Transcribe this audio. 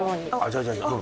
じゃあ。